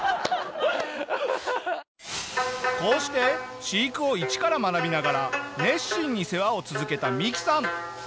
こうして飼育を一から学びながら熱心に世話を続けたミキさん。